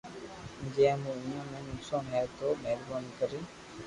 جي مون اپو ني نقسون ھي تو مھربوبي ڪرين